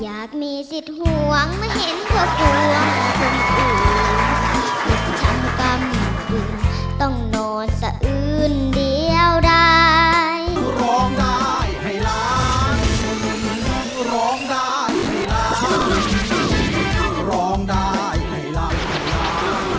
อยากมีสิทธิ์ห่วงไม่เห็นหัวตัวคุณผู้